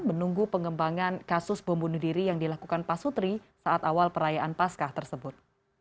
menunggu pengembangan kasus bom bunuh diri yang dilakukan pak sutri saat awal perayaan pascah tersebut